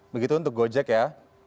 begitu untuk gojek ya